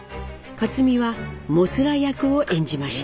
克実は「モスラ」役を演じました。